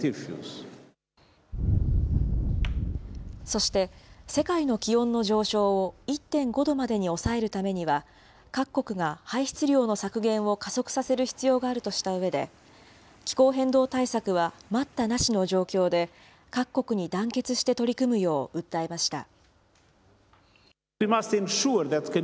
そして、世界の気温の上昇を１．５度までに抑えるためには、各国が排出量の削減を加速させる必要があるとしたうえで、気候変動対策は待ったなしの状況で、各国に団結して取り組むよう訴えました。